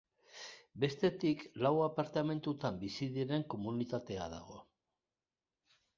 Bestetik, lau apartamentutan bizi diren komunitatea dago.